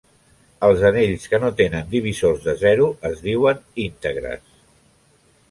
Els anells que no tenen divisors de zero es diuen íntegres.